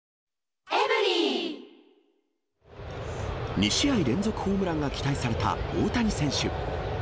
２試合連続ホームランが期待された大谷選手。